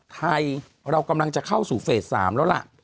ไทยเรากำลังจะเข้าสู่เฟส๓แล้วล่ะ